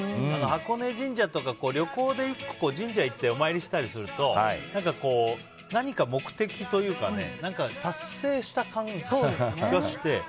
箱根神社とか旅行で神社行ってお参りしたりすると何か、目的というかね達成した感じがして。